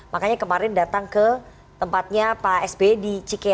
makanya kemarin datang ke tempatnya pak sp di cikes